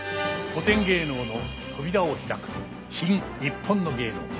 古典芸能の扉を開く「新・にっぽんの芸能」